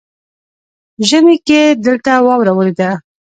ژمي کې دلته واوره ورېده